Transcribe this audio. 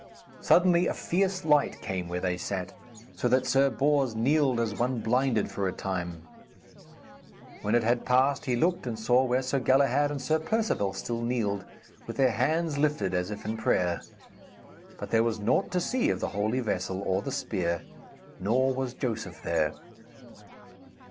Suddenly a fierce light came where they sat, so that Sir Bors kneeled as one blinded for a time. When it had passed, he looked and saw where Sir Galahad and Sir Perceval still kneeled, with their hands lifted as if in prayer. But there was naught to see of the holy vessel or the spear, nor was Joseph there.